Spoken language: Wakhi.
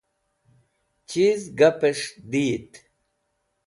Chiz gapẽs̃h diyit?